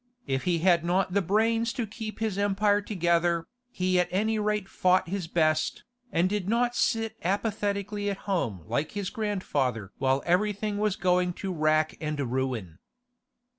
If he had not the brains to keep his empire together, he at any rate fought his best, and did not sit apathetically at home like his grandfather while everything was going to rack and ruin.